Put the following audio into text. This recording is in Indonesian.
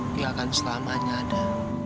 dia akan selamanya ada